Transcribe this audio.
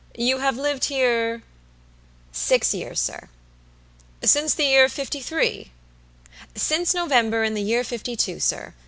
"You have lived here" "Six years, sir." "Since the year fifty three?" "Since November, in the year fifty two, sir.